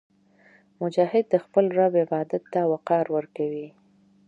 مجاهد د خپل رب عبادت ته وقار ورکوي.